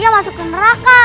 oleh se umkri